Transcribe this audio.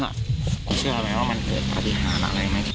เชื่อว่าไงว่ามันเป็นพอดีหาอะไรไหม